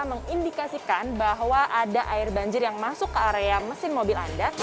mengindikasikan bahwa ada air banjir yang masuk ke area mesin mobil anda